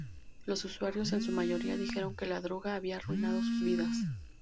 Los usuarios en su mayoría dijeron que la droga había arruinado sus vidas.